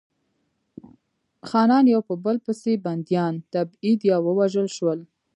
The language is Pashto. خانان یو په بل پسې بندیان، تبعید یا ووژل شول.